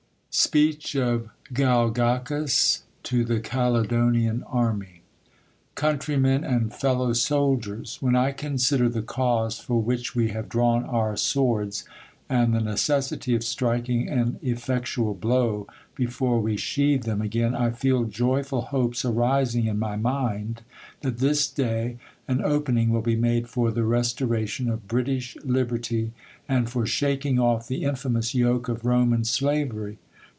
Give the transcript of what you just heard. Speech of Galgachus to the Caledonian Army, Countrymen, and Fellow Soldiers, WHEN I consider the cause, for which we have drawn our swords, and the necessity of striking an eflfectual blow, before we sheathe them again, I feel joyful hopes arising in my mind, that this day an open ing will be made for the restoration of British liberty, Q 2 and 186 THE COLUMBIAN ORATOR. and for shaking off the infamous yoke of Roman slavery.